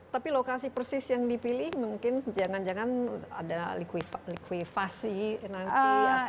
tapi lokasi persis yang dipilih mungkin jangan jangan ada likuifasi nanti